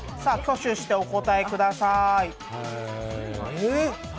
挙手して、お答えください。